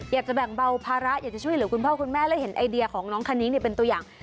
อยากจะแบ่งเบาภาระอยากจะช่วยเหลือคุณพ่อคุณแม่แล้วเห็นไอเดียของน้องคณิ้งเป็นตัวอย่าง